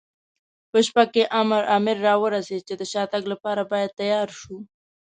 په شپه کې امر را ورسېد، چې د شاتګ لپاره باید تیار شو.